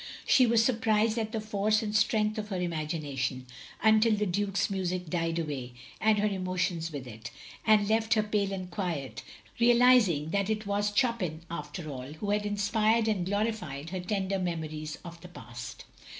She was surprised at the force and strength of her imagination — ^until the Duke's music died away, and her emotions with it; and left her pale and quiet, realising that it was OP GROSVENOR SQUARE 191 Chopin, after all, who had inspired and glorified her tender memories of the past.